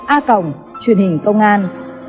a cổng truyện hình công ngan